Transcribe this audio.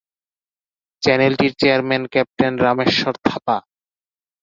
চ্যানেলটির chairman captain Rameshwar Thapa.